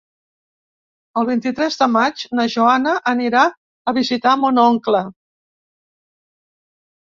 El vint-i-tres de maig na Joana anirà a visitar mon oncle.